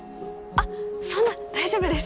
あっそんな大丈夫です。